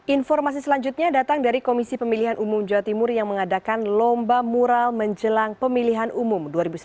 informasi selanjutnya datang dari komisi pemilihan umum jawa timur yang mengadakan lomba mural menjelang pemilihan umum dua ribu sembilan belas